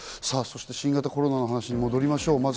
そして新型コロナの話に戻りましょう。